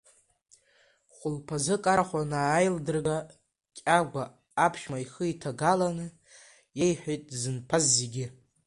Хәылԥазык, арахә анааилдырга, Кьагәа аԥшәма ихы иҭагаланы иеиҳәеит дзынԥаз зегьы.